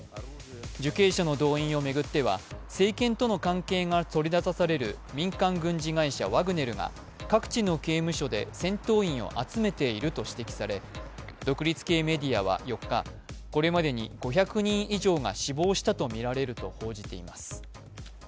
受刑者の動員を巡っては政権との関係が取り沙汰される民間軍事会社ワグネルが各地の刑務所で戦闘員を集めていると指摘され、独立系メディアは４日、これまでに５００人以上が死亡したとみられると報じています。